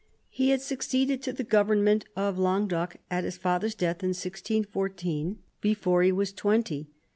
He had succeeded to the government of Languedoc at his father's death in 1614, before he was twenty.